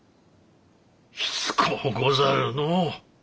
しつこうござるのう。